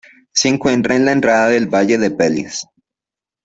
Se encuentra en la entrada del Valle del Pellice.